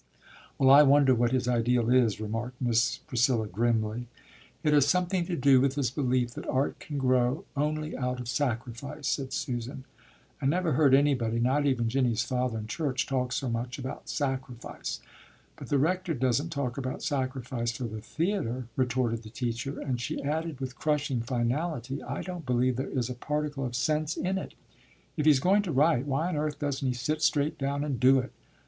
"Well, I wonder what his ideal is?" remarked Miss Priscilla grimly. "It has something to do with his belief that art can grow only out of sacrifice," said Susan. "I never heard anybody not even Jinny's father in church talk so much about sacrifice." "But the rector doesn't talk about sacrifice for the theatre," retorted the teacher, and she added with crushing finality, "I don't believe there is a particle of sense in it. If he is going to write, why on earth doesn't he sit straight down and do it?